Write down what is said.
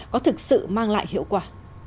có thực sự mang lại hiệu quả